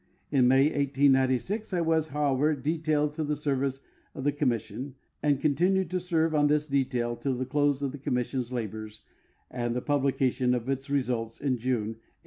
In May, 1896, 1 was, however, detailed to the service of the commis sion, and continued to serve on this detail till the close of the com mission's labors and the publication of its results in June, 1897.